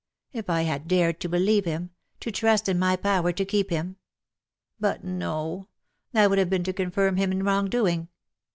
If I had dared to believe him — to trust in my power to keep him. But no ; that would have been to confirm him in wrong doing.